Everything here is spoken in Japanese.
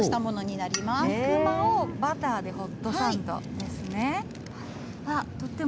肉まんをバターでホットサンドですね。